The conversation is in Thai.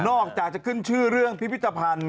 ออกจากจะขึ้นชื่อเรื่องพิพิธภัณฑ์